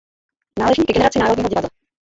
Náleží ke generaci Národního divadla.